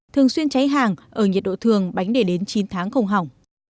thường xuyên cháy hàng ở nhiệt độ thường bánh để đến chín tháng không hỏng